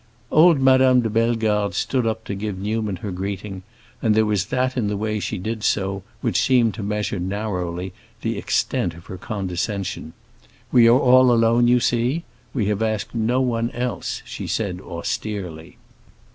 Old Madame de Bellegarde stood up to give Newman her greeting, and there was that in the way she did so which seemed to measure narrowly the extent of her condescension. "We are all alone, you see, we have asked no one else," she said austerely.